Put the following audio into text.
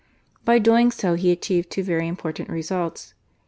By doing so he achieved two very important results.